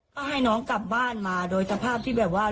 ก็ให้น้องกลับบ้านมาโดยสภาพที่แบบว่า